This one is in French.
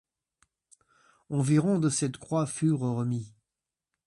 Environ de cette croix furent remis.